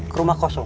ke rumah kosong